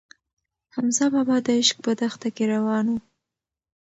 حمزه بابا د عشق په دښته کې روان و.